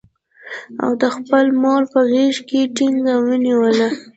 او ده خپله مور په غېږ کې ټینګه ونیوله.